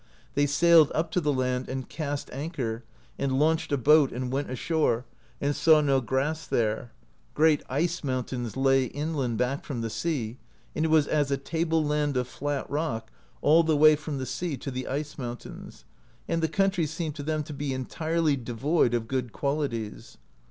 They sailed up to the land and cast anchor, and launched a boat and went ashore, and saw no grass there ; great ice mountains lay inland back from the sea, and it was as a [table land of] flat rock all the way from the sea to the ice moun tains, and the country seemed to them to be entirely de void of good qualities.